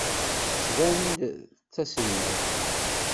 Tettban-d d taselmadt.